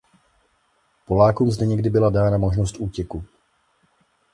Polákům zde někdy byla dána možnost útěku.